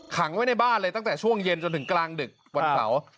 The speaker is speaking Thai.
ขังไว้ในบ้านเลยตั้งแต่ช่วงเย็นจนถึงกลางดึกวันเสาร์